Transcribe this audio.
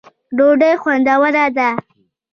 ډوډۍ خوندوره ده